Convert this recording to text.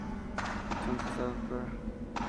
Entonces la Dra.